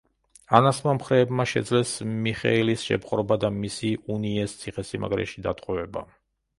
ანას მომხრეებმა შეძლეს მიხეილის შეპყრობა და მისი უნიეს ციხესიმაგრეში დატყვევება.